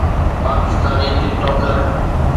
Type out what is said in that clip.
پاڪستاني ٽڪ ٽوڪر